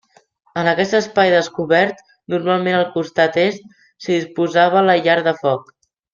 En aquest espai descobert, normalment al costat est, s'hi disposava la llar de foc.